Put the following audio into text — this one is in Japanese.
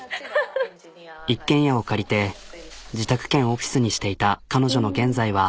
一軒家を借りて自宅兼オフィスにしていた彼女の現在は。